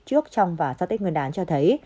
trước trong và sau tết nguyên đán cho thấy